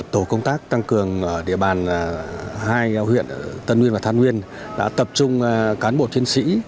tổ công tác tăng cường ở địa bàn hai huyện thàn uyên và thàn uyên đã tập trung cán bộ chiến sĩ